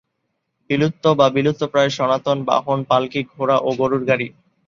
বিলুপ্ত বা বিলুপ্তপ্রায় সনাতন বাহন পালকি, ঘোড়া ও গরুর গাড়ি।